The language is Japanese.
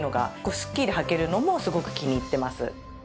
スッキリはけるのもすごく気に入ってます。